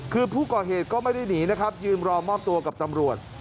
คือผู้ก่อเหตุก็ไม่ได้หนีนะครับยืนรอมอบตัวกับตำรวจ